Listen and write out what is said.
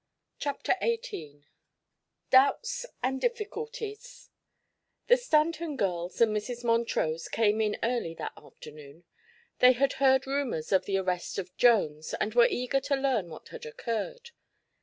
CHAPTER XVIII DOUBTS AND DIFFICULTIES The Stanton girls and Mrs. Montrose came in early that afternoon. They had heard rumors of the arrest of Jones and were eager to learn what had occurred.